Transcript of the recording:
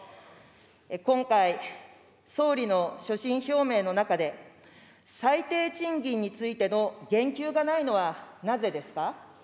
今回、総理の所信表明の中で、最低賃金についての言及がないのはなぜですか。